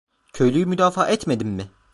Köylüyü müdafaa etmedim mi?